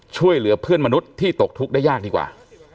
ช่วยเหลือเพื่อนมนุษย์ที่ตกทุกข์ได้ยากดีกว่า